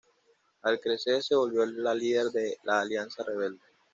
Al crecer se volvió la líder de la Alianza Rebelde.